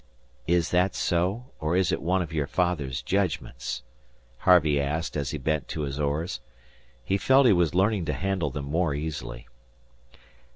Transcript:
"Is that so, or is it one of your father's judgments?" Harvey asked as he bent to his oars. He felt he was learning to handle them more easily.